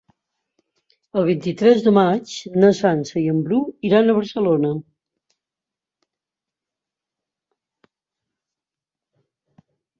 El vint-i-tres de maig na Sança i en Bru iran a Barcelona.